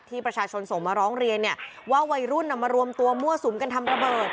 ที่ประชาชนส่งมาร้องเรียนว่าวัยรุ่นมารวมตัวมั่วสุมกันทำระเบิด